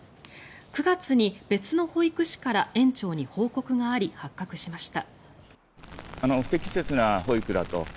９月に別の保育士から園長に報告があり発覚しました。